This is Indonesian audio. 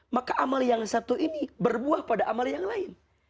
maka amal yang satu ini berbuah pada amal yang lain